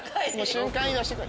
瞬間移動してくれ。